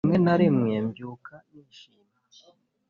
rimwe na rimwe mbyuka nishimye